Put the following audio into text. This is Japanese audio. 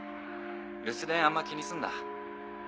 留守電あんま気にすんな。